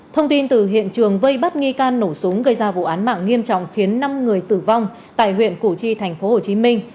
thông tin từ hiện trường vây bắt nghi can nổ súng gây ra vụ án mạng nghiêm trọng khiến năm người tử vong tại huyện củ chi thành phố hồ chí minh